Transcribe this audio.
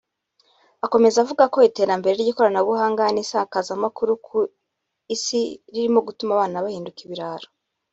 Akomeza avuga ko iterambere ry’ikoranabuhanga n’isakazamakuru ku isi ririmo gutuma abana bahinduka ibirara